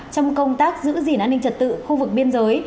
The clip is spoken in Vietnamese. trong công tác giữ gìn an ninh trật tự khu vực biên giới